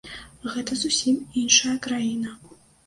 Гэта зусім іншая краіна.